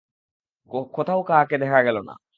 কোথাও কাহাকেও দেখা গেল না।